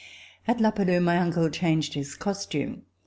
At La Palud my uncle changed his costume.